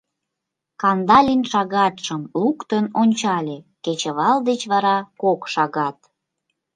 Кандалин шагатшым луктын ончале: кечывал деч вара кок шагат.